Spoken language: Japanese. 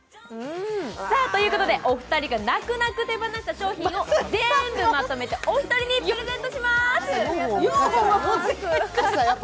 お二人が泣く泣く手放した商品を全部まとめてお二人にプレゼントします。